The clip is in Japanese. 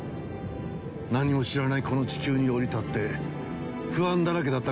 なんにも知らないこの地球に降り立って不安だらけだった